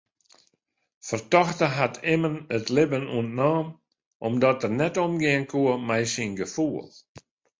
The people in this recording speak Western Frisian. Fertochte hat immen it libben ûntnaam omdat er net omgean koe mei syn gefoel.